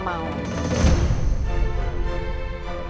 kamu menikah dengan reno